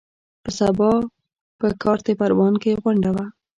په سبا په کارته پروان کې غونډه وه.